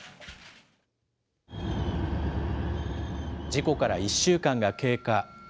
事故から１週間が経過。